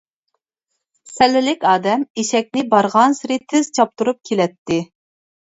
سەللىلىك ئادەم ئېشەكنى بارغانسېرى تېز چاپتۇرۇپ كېلەتتى.